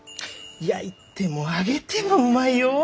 焼いても揚げてもうまいよ！